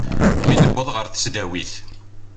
Mi d-tewweḍ ɣer tesdawit.